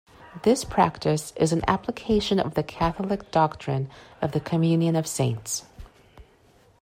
This practice is an application of the Catholic doctrine of the Communion of Saints.